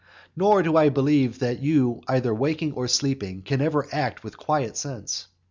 Nor do I believe that you either waking or sleeping, can ever act with quiet sense.